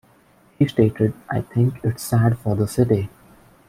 He stated; I think it's sad for the city.